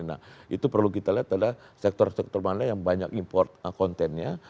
nah itu perlu kita lihat adalah sektor sektor mana yang banyak import kontennya